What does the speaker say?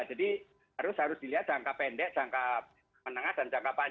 jadi harus harus dilihat jangka pendek jangka menengah dan jangka panjangnya